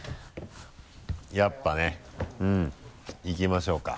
やっぱねうんいきましょうか。